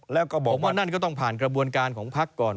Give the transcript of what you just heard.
แล้วก็บอกว่านั่นก็ต้องผ่านกระบวนการของพักก่อน